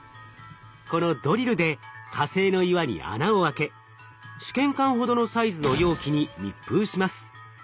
このドリルで火星の岩に穴を開け試験管ほどのサイズの容器に密封します。